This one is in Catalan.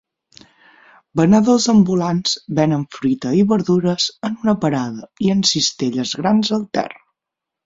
Venedors ambulants venen fruita i verdures en una parada i en cistelles grans al terra.